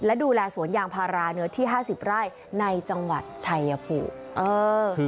และดูแลสวนยางพาราเนื้อที่๕๐ไร่ในจังหวัดชัยภูมิเออ